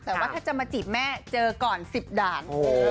แต่ว่าถ้าจะมาจีบแม่เจอก่อน๑๐ด่าน